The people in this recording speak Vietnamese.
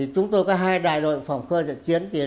chúng tôi có hai đại đội phòng khơi dạy chiến